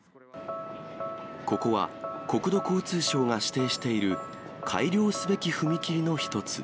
ここは国土交通省が指定している、改良すべき踏切の一つ。